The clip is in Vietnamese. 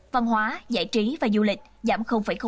văn hóa giải trí và du lịch giảm một